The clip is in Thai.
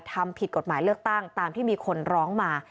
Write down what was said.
ทำผิดกฎหมายเลือกตั้งตามที่มีคนร้องมา